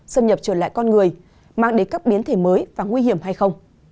xâm nhập trở lại con người mang đến các biến thể mới và nguy hiểm hay không